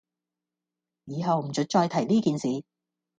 以後唔准再提呢件事